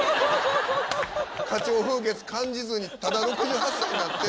花鳥風月感じずにただ６８歳になって。